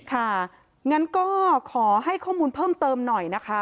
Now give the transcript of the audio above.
ค่ะงั้นก็ขอให้ข้อมูลเพิ่มเติมหน่อยนะคะ